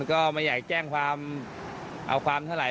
ก็ไม่อยากแจ้งความเอาความเท่าไห